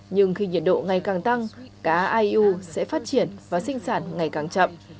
nhưng khi nhiệt độ ngày càng tăng cá aiu sẽ phát triển và sinh sản ngày càng chậm